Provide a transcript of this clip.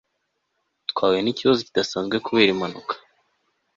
twahuye nikibazo kidasanzwe kubera impanuka